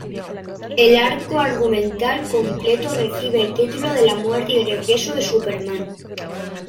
El arco argumental completo recibe el título de La Muerte y Regreso de Superman.